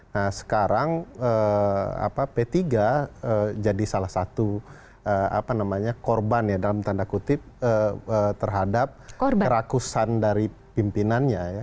nah sekarang p tiga jadi salah satu korban ya dalam tanda kutip terhadap kerakusan dari pimpinannya ya